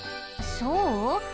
そう？